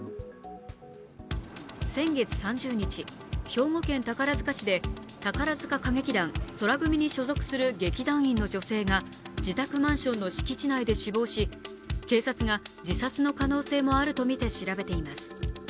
先月３０日、兵庫県宝塚市で宝塚歌劇団・宙組に所属する劇団員の女性が自宅マンションの敷地内で死亡し、警察が自殺の可能性もあるとみて調べています